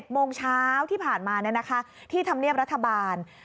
โมงเช้าที่ผ่านมาที่ธรรมเนียบรัฐบาล